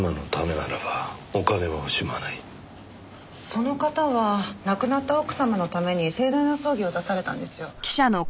その方は亡くなった奥様のために盛大な葬儀を出されたんですよ。